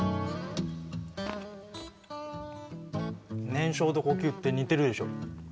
燃焼と呼吸って似てるでしょ？